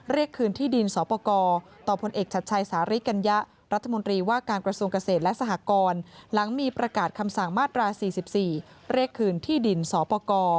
เรียกขึ้นที่ดินศพ